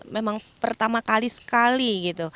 memang pertama kali sekali